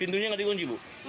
pintunya enggak dikonci ibu